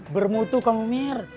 bermutu kamu mir